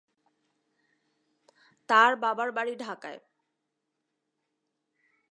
তার বাবার বাড়ি ঢাকায়।